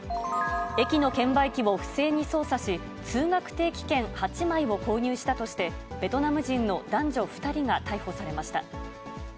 駅の券売機を不正に操作し、通学定期券８枚を購入したとして、ベトナム人の男女２人が逮捕されました。